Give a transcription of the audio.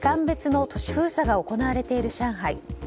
別の都市封鎖が行われている上海。